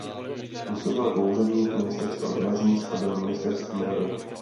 Působil jako úředník ministerstva železnic a byl ministerským radou.